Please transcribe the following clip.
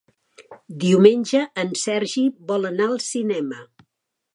Diumenge en Sergi vol anar al cinema.